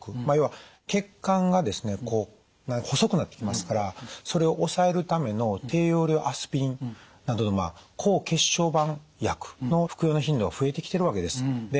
まあ要は血管がですね細くなってきますからそれを抑えるための低用量アスピリンなどの抗血小板薬の服用の頻度が増えてきてるわけです。